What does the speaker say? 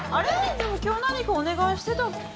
でも今日何かお願いしてたっけ？